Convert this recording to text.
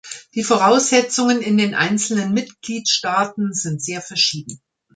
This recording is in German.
Die Voraussetzungen in den einzelnen Mitgliedstaaten sind sehr verschieden.